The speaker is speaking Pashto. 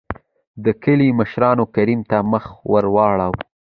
دکلي مشرانو کريم ته مخ ور ور واړو .